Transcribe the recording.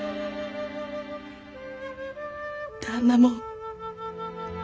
旦那も。